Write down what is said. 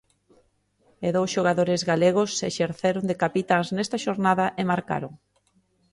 E dous xogadores galegos exerceron de capitáns nesta xornada e marcaron.